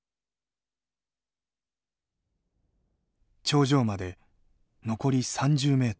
頂上まで残り３０ｍ。